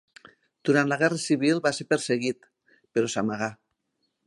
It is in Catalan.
Durant la guerra civil va ser perseguit, però s'amagà.